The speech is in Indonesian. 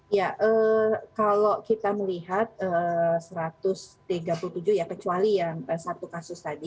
ya kalau kita melihat satu ratus tiga puluh tujuh ya kecuali yang satu kasus tadi